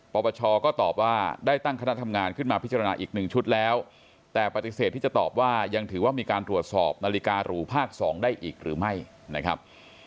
ปปชก็ตอบว่าได้ตั้งคณะทำงานขึ้นมาพิจารณาอีกหนึ่งชุดแล้วแต่ปฏิเสธที่จะตอบว่ายังถือว่ามีการตรวจสอบนาฬิการูภาค๒ได้อีกหรือไม่นะครับ